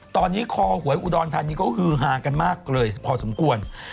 ตอนนี้คอหวยอุดรธานีเขาฮือฮากันมากเลยพอสมควร